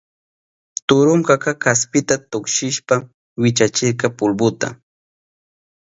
Turunkaka kaspita tuksishpa wichachirka pulbuta.